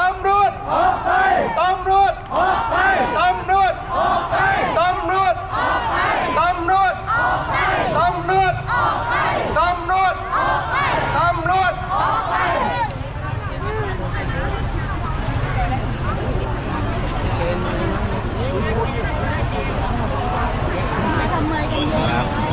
รถปลาใสเดินหน้านิดหน่อยครับพี่น้องอ้าวรถปลาใสเกือบนี่ได้นะครับ